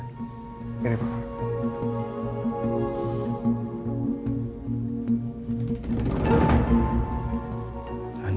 nanti sudah bangun dari komanya